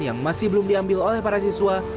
yang masih belum diambil oleh para siswa